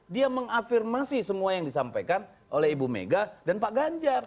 dia mengafirmasi semua yang disampaikan oleh ibu mega dan pak ganjar